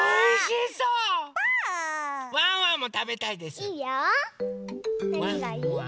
ワンワンもたべたいです。